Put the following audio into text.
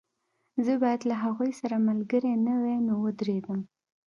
زه باید له هغوی سره ملګری نه وای نو ودرېدم